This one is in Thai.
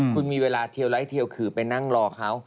คุณมีเวลาเทียวไร้เทียวขื่อไปนั่งรอเขา